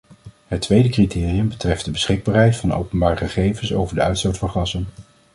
Het tweede criterium betreft de beschikbaarheid van openbare gegevens over de uitstoot van gassen.